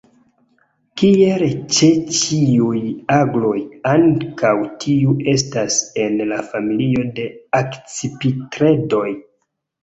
Kiel ĉe ĉiuj agloj, ankaŭ tiu estas en la familio de Akcipitredoj.